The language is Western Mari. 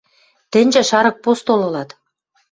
Тӹньжӹ шарык постол ылат.